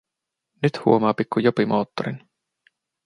Nyt huomaa pikku Jopi moottorin.